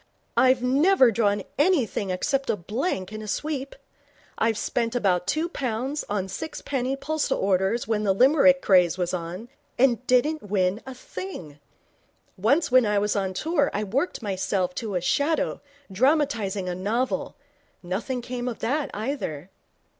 I've never drawn anything except a blank in a sweep. I spent about two pounds on sixpenny postal orders when the Limerick craze was on, and didn't win a thing. Once when I was on tour I worked myself to a shadow, dramatizing a novel. Nothing came of that, either.'